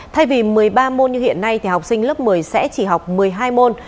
thay vì một mươi ba môn như hiện nay thì học sinh lớp một mươi sẽ chỉ học một mươi hai môn